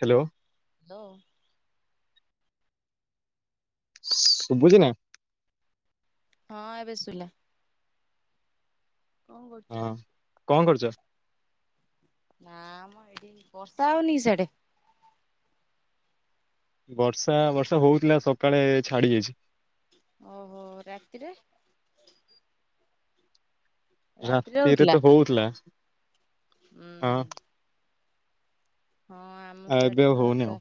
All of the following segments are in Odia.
ହ୍ୟାଲୋ। ଲୋ। ଶୁଭୁଛି ନା। ହଁ ଏବେ ସୁଲା। ହଁ କଣ କରୁଛ? ନାମ ଏଠି ବର୍ଷା ହଉନି ସେଆଡ଼େ। ବର୍ଷା ବର୍ଷା ହଉଥିଲା ସକାଳେ ଛାଡ଼ି ଯାଇଛି। ଓହୋ ରାତିରେ ରାତିରେ ତ ହଉଥିଲା ହୁଁ ହଁ। ହୁଁ ହଁ ଆମ ଆଉ ସିଆଡ଼େ ଏବେ ଆଉ ବି ହଉନି ହଉଥିଲା। ଆଉ।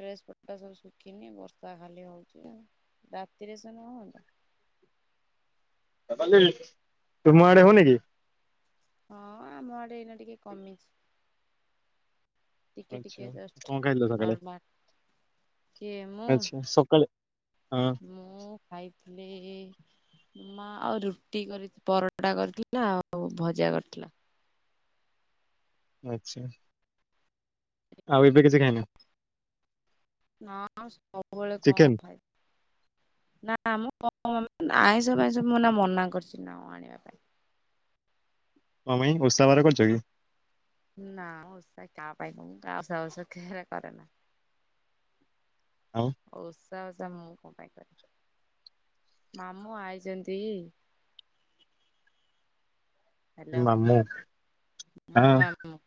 ଡ୍ରେସ ପଟା ସବୁ ଶୁଖିନି ବର୍ଷା ଖାଲି ହଉଛି ଆଉ। ରାତିରେସ ନ ହତା ତୁମ ଆଡ଼େ ହଉନି କି? ହଁ ଆମ ଆଡ଼େ ଏଇନା ଟିକେ କମିଛି। ଟିକେ ଟିକେ ଆଛା ଜଷ୍ଟ। କଣ ଖାଇଥିଲ ସକାଳେ ନର୍ମାଲ କିଏ ମୁଁ ଆଛା ସକାଳେ ହଁ ମୁଁ ଖାଇଥିଲି ମା ଆଉ ରୁଟି କରି ପରଟା କରିଥିଲା, ଆଉ ଭଜା କରିଥିଲା। ଆଚ୍ଛା। ଆଉ ଏବେ କିଛି ଖାଇନା? ନା ସବୁବେଳେ କଣ ଚିକେନ ଖାଇବି, ନା ମ [unintelligible] କଣ ଆଇଁଷ ପାଇଁଷ ମୁ ଏଇନା ମନା କରିଛି ତାଙ୍କୁ ଆଣିବା ପାଇଁ। କଣ ପାଇଁ ଓଷା ବାର କରୁଚ କି? ନା ଓଷା କାହା ପାଇଁ କଣ ମୁଁ ଓଷା ଫୋଷା କେବେ କରେନା। ଆଉ ଓଷା ବୋଷା ମୁଁ କଣ ପାଇଁ କରିବି? ମାମୁଁ ଆଇଚନ୍ତି। ହାଲୋ ମାମୁଁ ମୁଁ, ହଁ ମାମୁଁ।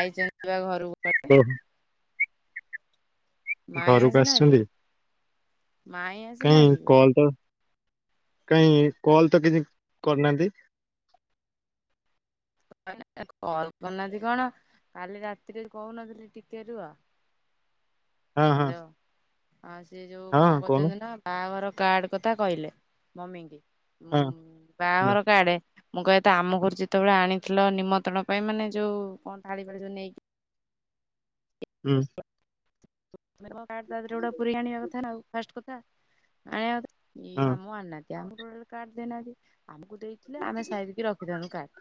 ଆଇଚନ୍ତି ବା ଘରୁକୁ। ଓ ହୋ। ମାଇଁ ଘରକୁ ଆସିନାହାନ୍ତି ଆସିଛନ୍ତି? ମାଇଁ କାଇଁ ଆସିନାହାନ୍ତି କି? କଲ ତ କାଇଁ କଲ ତ କିଛି କରିନାହାନ୍ତି। [unintelligible] କଲ୍ କରିନାହାନ୍ତି କଣ କାଲି ରାତିରେ କହୁନଥିଲି ଟିକେ ରୁହ ହଁ ହଁ। ହ୍ୟାଲୋ। ଆଉ ସିଏ ଯୋଉ କଣ ହଁ କହୁନ କରୁଚନ୍ତି ନା ବାହାଘର କାର୍ଡ କଥା କହିଲେ ମମି ଙ୍କି ଉଁ ହଁ ହଁ ବାହାଘର କାର୍ଡ। ମୁଁ କହିବା କଥା ଆମ ଘରୁ ଯେତେବେଳେ ଆଣିଥିଲ ନିମନ୍ତ୍ରଣ ପାଇଁ ମାନେ ଯୋଉ କଣ ଥାଳି ଭାଳି ଯୋଉ ନେଇକି ହୁଁ। ତୋମେ ତୋମ କାର୍ଡ ଟା ଯୋଉଟା ପୁରେଇ ଆଣିବା କଥା ନା ଆଉ ଫାଷ୍ଟ କଥା ଆଣିବା [inaudible] ଇଏ ହଁ ମାମୁଁ ଆଣିନାହା କା ଆମକୁ ଟୋଟାଲି କାର୍ଡ ଦେଇନାହାନ୍ତି ଆମକୁ ଦେଇଥିଲେ ଆମେ ସାଇତିକି ରଖିଥାନ୍ତୁ କାର୍ଡ।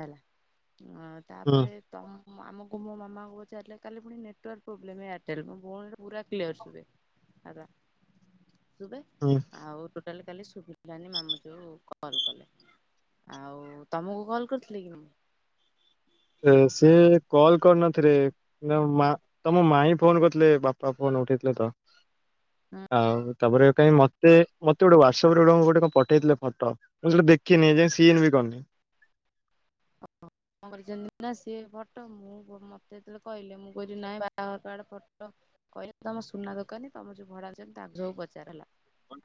ହେଲା ଉଁ ହୁଁ ତାପରେ ତମ ମୋ ଆମକୁ ମୋ ମାମାଙ୍କୁ ପଚାରିଲେ କାଲି ପୁଣି ନେଟୱାର୍କ ପ୍ରୋବଲେମ୍ ଏୟାରଟେଲ୍ ର। ଭଉଣୀ ର ପୁରା କ୍ଲିୟର ଶୁଭେ ହେଲା ଶୁଭେ ହୁଁ ଆଉ ଟୋ ତାହେଲେ କାଲି ଶୁଭିଲାନି ମାମୁଁ ଯୋଉ କଲ୍ କଲେ। ଆଉ ତମକୁ କଲ କରିଥିଲେ କି ମାମୁଁ? ଏ ସେ କଲ୍ କରିନଥିଲେ ନା ମା ତୋମ ମାଇଁ ଫୋନ୍ କରିଥିଲେ। ବାପା ଫୋନ୍ ହଁ ଉଠେଇ ଥିଲେ ତ ମୁଁ ଆଉ ତାପରେ କାହିଁ ମତେ ମତେ ଗୋଟେ ହ୍ୱାଟସପରେ ଗୋଟେ କଣ ଗୋଟେ କଣ ପଠେଇଥିଲେ ଫଟ ମୁଁ ସେଇଟା ଦେଖିନି ଏ ଯାଏଁ ସିନ ବି କରିନି କରିନି। ହଁ। କଣ କରିଛନ୍ତି ନା ସିଏ ଫଟ ମୁଁ ବ ମତେ ଯେତେବେଳେ କହିଲେ ମୁଁ କହିଲି ନାଇଁ ବାହାଘର କାର୍ଡ ଫଟୋ। କହିଲେ ତମ ସୁନା ଦୋକାନୀ ତମର ଯୋଉ ଭଡା ଅଛନ୍ତି ତାଙ୍କୁ ସବୁ ପଚାର ହେଲା।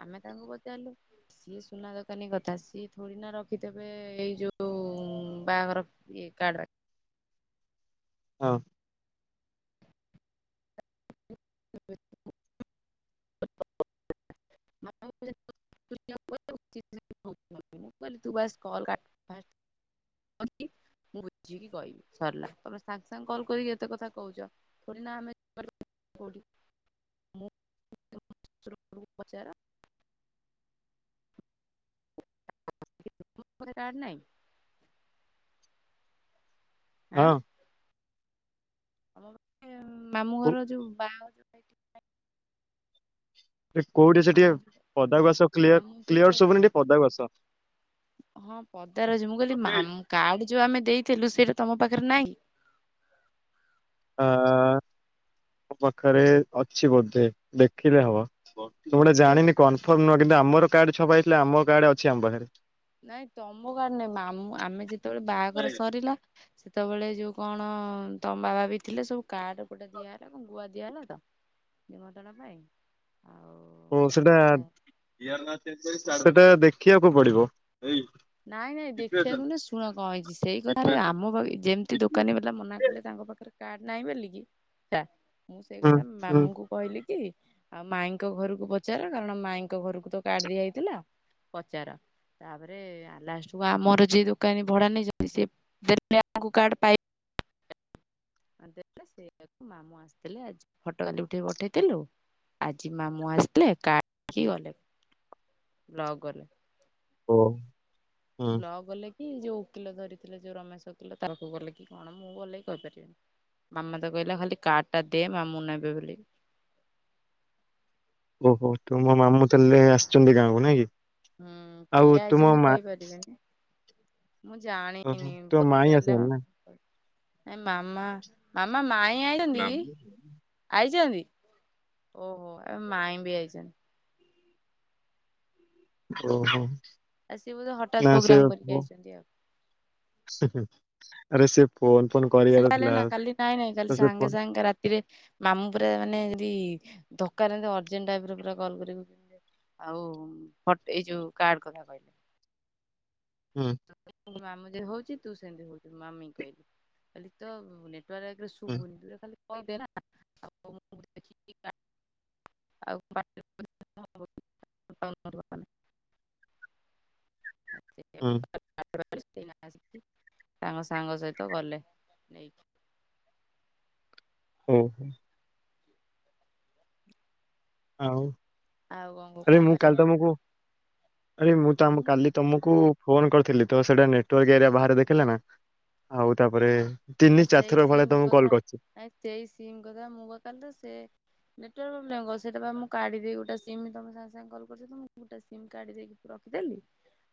ଆମେ ତାଙ୍କୁ ପଚାରିଲୁ ସିଏ ସୁନା ଦୋକାନୀ କଥା ସିଏ ଥୋଡି ନା ରଖିଥିବେ ଏଇ ଯୋଉ ଉଁ, ବାହାଘର ଇଏ କାର୍ଡ ରେ ହଁ। [inaudible] ମାମୁଁ କୁ ପଚାରିନି [inaudible] ଚି ନାଇଁ ହଉଚି। ଉଁ ମୁଁ କହିଲି ତୁ ବାସ କଲ୍ କାଟ ଫାର୍ଷ୍ଟ କଲି ମୁଁ ବୁଝିକି କହିବି ସରିଲା ତମେ ସାଙ୍ଗ ସାଙ୍ଗ କଲ୍ କରିକି ଏତେ କଥା କହୁଛ ଥୋଡି ନା ଆମେ କରି ପା କୋଉଠି? ମୁଁ ତମ ଶଶୁର ପୁଅକୁ ପଚାର। [unintelligible] ନାଇଁ। ହଁ ଆଁ। ମାମୁ କୋ ଘର ଯୋଉ ବା [unintelligible] କୋଉଠି ଅଛ ଟିକେ ମାମୁଁ ଯୋଉଟା ପଦାକୁ ଆସ କ୍ଲିଅର, ମାମୁଁ ଯୋଉଟା କ୍ଲିଅର ସୁଭୁନି ଟିକେ ପଦାକୁ ଆସ। ହଁ ପଦାରେ ଅଛି, ମୁଁ କହିଲି କାର୍ଡ ଯୋଉ ଆମେ ଦେଇଥିଲୁ ସେଇଟା ତମ ପାଖରେ ନାଇଁ? ହଁ ପାଖରେ ଅଛି ବୋଧେ, ଦେଖିଲେ ହବ ତ ଗୋଟେ ଜାଣିନି କନଫର୍ମ ନୁହଁ କିନ୍ତୁ ଆମର କାର୍ଡ ଛପାହେଇଥିଲା ଆମ କାର୍ଡ ଅଛି ଆମ ପାଖରେ। ନାଇଁ ତମ କାର୍ଡ ନୁହେଁ, ମାମୁଁ ଆମେ ଯେତେବେଳେ ବାହାଘର ସରିଲା ସେତେବେଳେ ଯୋଉ କଣ ତମ ବାବା ବି ଥିଲେ, ସବୁ କାର୍ଡ ଗୋଟେ ଦିଆ ହେଲା କଣ ଗୁଆ ଦିଆ ହେଲା ତ। ନିମନ୍ତ୍ରଣ ପାଇଁ। ଆଉ ଓ ସେଇଟା, ମୁଁ ସେଇଟା ଦେଖିବାକୁ ପଡିବ। ନାଇଁ ନାଇଁ ଦେଖିବାକୁ ନା ଶୁଣ କଣ ହେଇଛି, ସେଇ କଥାରେ ଆମ ପାଖେ ଯେମିତି ଦୋକାନୀ ବାଲା ମନା କଲେ ତାଙ୍କ ପାଖରେ କାର୍ଡ ନାହିଁ ବେଲି କି ହେଲା, ମୁଁ ସେଇ ହୁଁ କଥା ହୁଁ। ମାମୁଁଙ୍କୁ କହିଲି କି ଆଉ ମାଇଁଙ୍କ ଘରୁକୁ ପଚାର, କାରଣ ମାଇଁ ଙ୍କ ଘରୁକୁ ତ କାର୍ଡ ଦିଆ ହେଇଥିଲା। ପଚାର ତାପରେ ଲାଷ୍ଟ କୁ ଆମର ଯିଏ ଦୋକାନୀ ଭଡା ନେଇଛନ୍ତି, ସିଏ ଦେଲେ ଆମକୁ କାର୍ଡ ପାଇ ହଁ ଦେଲେ ସେଇଆକୁ ମାମୁଁ ଆସିଥିଲେ। ଆଜି ଫଟ କାଲି ଉଠେଇ ପଠେଇଥିଲୁ। ଆଜି ମାମୁଁ ଆସିଥିଲେ, କାର୍ଡ ଦେଇକି ଗଲେ ବ୍ଲକ ଗଲେ। ଓ। ହଁ ବ୍ଲକ ଗଲେ ଏଇ ଯୋଉ ଓକିଲ ଧରିଥିଲେ ଯୋଉ ରମେଶ ଓକିଲ, ତା ଘରକୁ ଗଲେ କି କଣ ମୁଁ ଭଲ କି କହିପାରିବିନି। ମାମା ତ କହିଲା ଖାଲି କାର୍ଡଟା ଦେ ମାମୁଁ ନେବେ ବେଲିକି। ଓ ହୋ ତୁମ ମାମୁଁ ତାହେଲେ ଆସିଚନ୍ତି ଗାଁକୁ ନାଇଁ କି? ହୁଁ, କିଏ ଆଉ ତୁମ ଆଇଚନ୍ତି ମା କହିପାରିବିନି? ମୁଁ ଜାଣିନି ଓହୋ ତୋ ମାଇଁ ପଚାରିଲେ ଆସିବନି ନା ହବ, ନାଇଁ ମାମା ମାମା ମାଇଁ ଆଇଚନ୍ତି କି? ଆଇ ଚନ୍ତି। ଓ ହୋ, ଆ ମାଇଁ ବି ଆଇଛନ୍ତି। ଓ ହୋ। ଆ ସିଏ ବୋଧେ ହଠାତ୍ ନା ସେ ପୋଗ୍ରାମ କରିକି ଆଇଛନ୍ତି ଆଉ। ଆରେ ସେ ଫୋନ ଫୋନ କରିବାର [unintelligible] ଥିଲା ନା କାଲି ନାଇଁ ନାଇଁ କାଲି ତ ସେ ସାଙ୍ଗେ ଫୋନ ସାଙ୍ଗେ ରାତିରେ ମାମୁଁ ପୁରା ମାନେ ଯଦି ଦକାର ଯେନ୍ତି, ଅର୍ଜେଣ୍ଟ ଟାଇପର ପୁରା କଲ୍ କରି କହୁଛନ୍ତି ଯେ ଆଉ ଉଁ ଏଇ ଯୋଉ କାର୍ଡ କଥା କହିଲେ। ହୁଁ। ତୋ ମାମୁଁ ଯେ ହଉଚି, ତୁ ସେମତି ହଉଚୁ ମାମିକି କହିଲି। କହିଲି ତୋ ତୋର ଏକରେ ହୁଁ ଶୁଭୁନି, ତୁ ତ ଖାଲି କିଏ କଣ ଦେଲା [unintelligible] ଆଉ [unintelligible] ହୁଁ। [unintelligible] ଆସିକି ତାଙ୍କ ସାଙ୍ଗ ସହିତ ଗଲେ ନେଇକି। ହୁଁ- ହୁଁ। ଆଉ? ଆଉ କଣ କୁହ ଆରେ କଣ ମୁଁ ଖାଇଚ? କାଲି ତମକୁ ଆରେ ମୁଁ ତ ଆମ କାଲି ତମକୁ ଫୋନ କରିଥିଲି ତ ସେଇଟା ନେଟୱାର୍କ ଏରିଆ ବାହାରେ ଦେଖେଇଲା ନା ଆଉ ତାପରେ ତିନି ଆ ସେଇ ଚାରିଥର ଭଳିଆ ସିମ ତମକୁ କଲ୍ କଥା କରିଛି ନାଇଁ ସେଇ ସିମ୍ କଥା ମୁଁ କ କାଲିଠୁ ସେ ନେଟୱାର୍କ ପ୍ରୋବଲେମ୍ କଁ ସେଟାପା ମୁଁ କାଢି ଦେଇ ଗୋଟେ ସିମ ତମ ସାଙ୍ଗେ ସାଙ୍ଗେକଲ କରୁଛି ତମକୁ ଗୋଟେ ସିମ କାଢି ଦେଇକି ରଖିଦେଲି।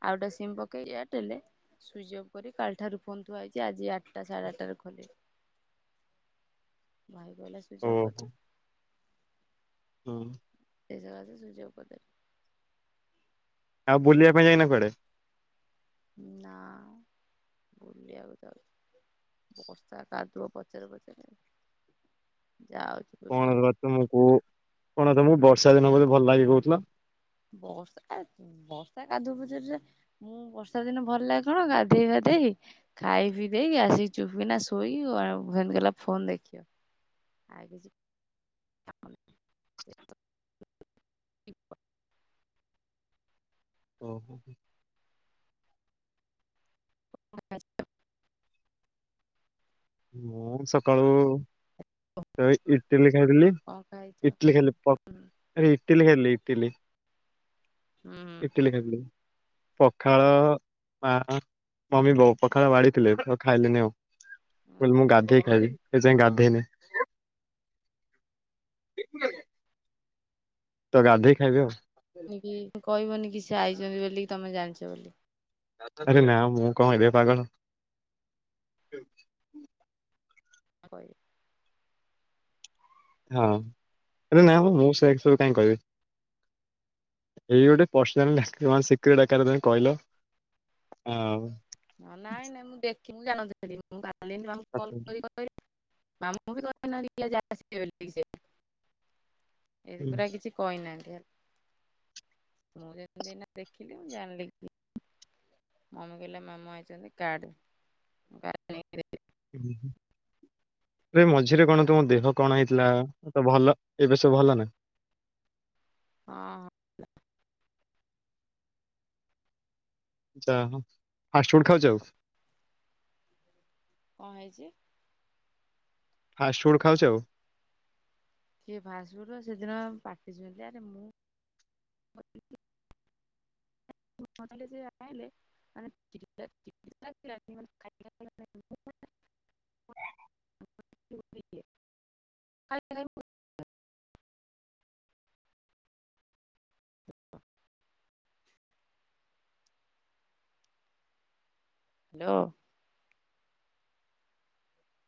ଆଉ ଗୋଟେ ସିମ୍ ପକେଇ ଏୟାରଟେଲ ରେ ସୁଇଜ ଅଫ୍ କରି କାଲି ଠାରୁ ଫୋନ ଥୁଆହେଇଚି ଆଜି ଆଠଟା ସାଢେ ଆଠଟା ରେ ଖୋଲିଲି। ଭାଇ କହିଲା ସୁଇଜ ଅଫ ଓହୋ କରିଦେ। ହୁଁ। ସୁଇଜ ଅଫ କରିଦେ ସୁଇଜ ଅଫ କରିଦେଲି। ଆଉ ବୁଲିବା ପାଇଁ ଯାଇନ କୁଆଡେ? ନା ବୁଲିଆକୁ ଯାଉଚି। ବର୍ଷା କାଦୁଅ ପଚର ପଚର ରେ ଯାଉଚି। କଣ ରେ ବା ତମକୁ କଣ ତମକୁ ବର୍ଷା ଦିନ ବୋଧେ ଭଲ ଲାଗେ କହୁଥିଲ। ବର୍ଷା ବର୍ଷା କାଦୁଅ ପଚରରେ ରେ ମୁଁ ବର୍ଷା ଦିନ ଭଲ ଲାଗେ କଣ ଗାଧେଇ ପାଧେ ଦେଇ ଖାଇ ପିଇ ଦେଇ ଆସିକି ଚୁପ ବିିନା ଶୋଇତି କଲା ଫୋନ ଦେଖିବ। ଆଉ କିିଛି [inaudible] [inaudible] ଓ ହୋ ହୋ। [unintelligible] ମୁଁ ସକାଳୁ ତ ଇଟିଲି ଖାଇଥିଲି କଣ ଖାଇଛ ଇଟିଲି ଖାଲି [unintelligible] ଇଟଲି ଖାଇଲି ଇଟଲି ହୁଁ ଇଟଲି ଖାଇଥିଲି। ପଖାଳ ମା ମମି ବୋଉ ପଖାଳ ବାଡିଥିଲେ ତ ଖାଇଲେନି ଆଉ। ମୁଁ ଗାଧେଇ ଖାଇଲି ଏ ଯାଏଁ ଗାଧେଇନି। [unintelligible] ତ ଗାଧେଇ ଖାଇବି ଆଉ। କି କହିବନି କି ସେ ଆଇଛନ୍ତି ବୋଲି ତମେ ଜାଣିଛ ବୋଲି? ଆରେ ନା ମୁଁ କଣ ଏଡେ ପାଗଳ। ହଁ କହିବି। ହଁ ନାଇଁ ମୁଁ ସେ ସବୁ କାଇଁ କହିବି। ଏଇ ଗୋଟେ ପର୍ସନାଲ ଶ ଡା ତମେ କହିଲ ଆଉ। ନାଇଁ ନାଇଁ ମୁଁ ଦେଖିନ ମୁଁ ଜାଣନ୍ତି ସେଠି ମୁଁ ଗାଲିିଙ୍କୁ କଲ ହୁଁ, କରି କି ମାମୁଁ ବି କହିନଥିଲେ ଆସିବେ ବୋଲି ସେ। ଏ ପୁରା କିଛି କହିନାହାନ୍ତି। ମୁଁ ଯେମିତିନା ଦେଖିଲି ମୁଁ ଜାଣିଲି କି ମମି କହିଲେ ମାମୁଁ ଆଇଛନ୍ତି କାର୍ଡ ନେଇକି। ଦେଇଦେଲି ଉଁ ହୁଁ। ଏ ମଝିରେ କଣ ହଁ ତୁମ ଦେହ କଣ ହେଇଥିଲା ତ ଭଲ ଏବେ ସବୁ ଭଲ ନା? ହଁ ଭଲ। ଯାହା ହୋଉ ଫାଷ୍ଟଫୁଡ ଖାଉଛ ଆଉ? କଣ ହେଇଛି? ଫାଷ୍ଟଫୁଡ୍ ଖାଉଛ ଆଉ? କିଏ ଫାଷ୍ଟଫୁଡ ସେଦିନ ପାଟିଛନ୍ତି ଆରେ ମୁଁ [unintelligible] [unintelligible] [unintelligible] ହାଲୋ।